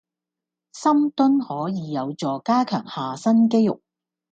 深蹲可以有效加強下身肌肉